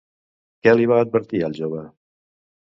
Què li va advertir al jove?